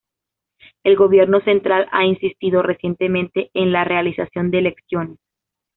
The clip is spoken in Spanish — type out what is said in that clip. El gobierno central ha insistido recientemente en la realización de elecciones.